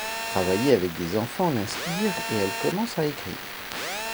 Travailler avec des enfants l'inspire et elle commence à écrire.